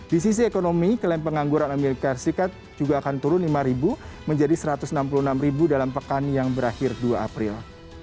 di sisi ekonomi kelem pengangguran as juga akan turun lima ribu menjadi satu ratus enam puluh enam ribu dalam pekan yang berakhir dua april